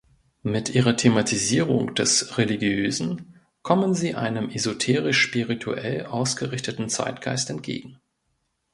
Mit ihrer Thematisierung des Religiösen kommen sie einem esoterisch-spirituell ausgerichteten Zeitgeist entgegen.